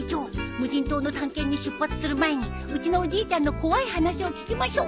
無人島の探検に出発する前にうちのおじいちゃんの怖い話を聞きましょう。